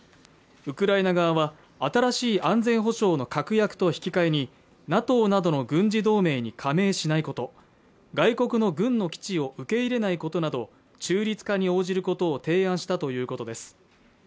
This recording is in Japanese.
ウクライナ側は新しい安全保障の確約と引き換えにＮＡＴＯなどの軍事同盟に加盟しないこと外国の軍の基地を受け入れないことなど中立化に応じることを提案したということです